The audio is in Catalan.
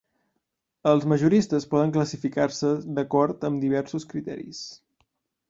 Els majoristes poden classificar-se d'acord amb diversos criteris.